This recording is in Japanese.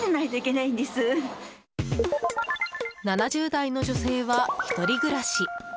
７０代の女性は１人暮らし。